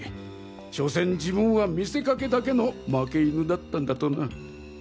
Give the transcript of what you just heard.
所詮自分は見せかけだけの負け犬だったんだとな。